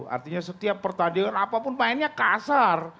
artinya setiap pertandingan apapun mainnya kasar